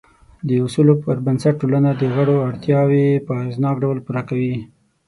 د اصولو پر بنسټ ټولنه د غړو اړتیاوې په اغېزناک ډول پوره کوي.